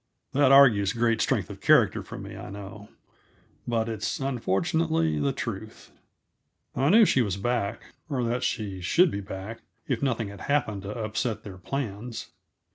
That argues great strength of character for me, I know, but it's unfortunately the truth. I knew she was back or that she should be back, if nothing had happened to upset their plans.